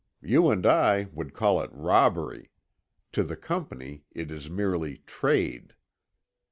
You and I would call it robbery. To the Company it is merely 'trade.